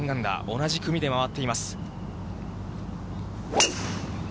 同じ組で回っています。